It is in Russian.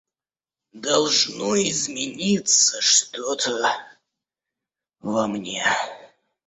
Должно измениться что-то во мне.